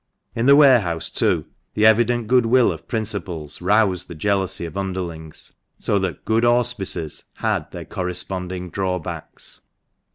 In the warehouse, too, the evident goodwill of principals roused the jealousy of underlings, so that " good auspices " had their corresponding drawbacks.